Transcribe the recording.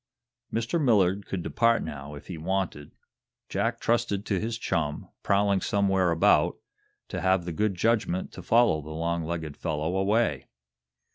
Mr. Millard could depart, now, if he wanted. Jack trusted to his chum, prowling somewhere about, to have the good judgment to follow the long legged fellow away.